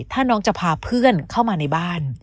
ถ้าน้องจะพาเพื่อนเข้ามาในบ้าน